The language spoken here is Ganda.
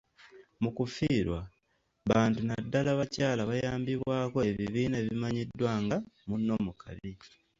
Mu kufiirwa, bantu naddala bakyala bayambibwako ebibiina ebimanyiddwa nga “Munno mu kabi.”